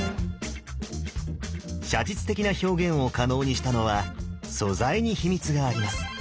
写実的な表現を可能にしたのは素材に秘密があります。